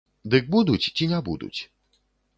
Дык будуць ці не будуць?